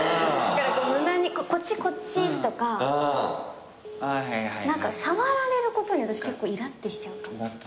無駄に「こっちこっち」とか。触られることに私結構イラッてしちゃうかも。